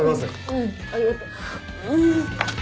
うんありがとう。